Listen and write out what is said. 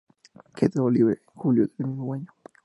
Quedó libre en julio del mismo año.